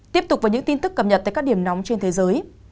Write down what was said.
tiếp tục với những tin tức cập nhật tại các điểm nóng trên thế giới